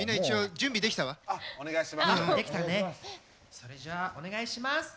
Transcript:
それじゃあお願いします。